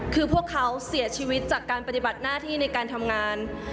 คือพวกเขาเสียชีวิตจากการปฏิบัติหน้าที่ในการทำงาน